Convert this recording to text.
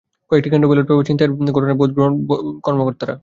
কয়েকটি কেন্দ্র ballot paper ছিনতাইয়ের ঘটনায় ভোট গ্রহণ বন্ধ করে দেন কর্মকর্তারা।